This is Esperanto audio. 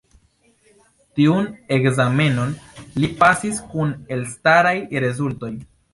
Tiun ekzamenon li pasis kun elstaraj rezultoj.